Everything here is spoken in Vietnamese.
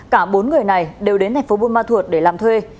cả bốn người này đều đến thành phố buôn ma thuột để làm thuê